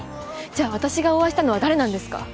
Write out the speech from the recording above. じゃあ私がお会いしたのは誰なんですか？